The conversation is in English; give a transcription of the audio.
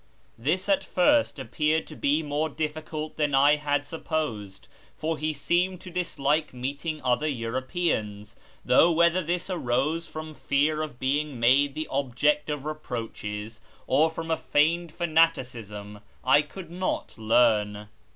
This at first appeared to be more difficult than I had supposed, for he seemed to dislike meeting other Europeans, though whether this arose from fear of being made the object of reproaches, or from a feigned fanaticism, I could not learn.